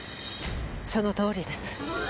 そのとおりです。